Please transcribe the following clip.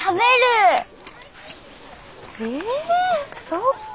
そっか。